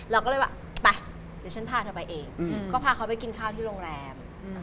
เราก็เลยว่าไปเดี๋ยวฉันพาเธอไปเองก็พาเขาไปกินข้าวที่โรงแรม